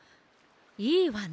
いいわね。